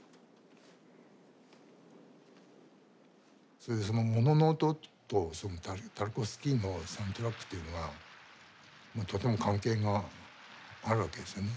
それで物の音とタルコフスキーのサウンドトラックっていうのはとても関係があるわけですよね。